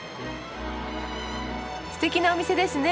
すてきなお店ですね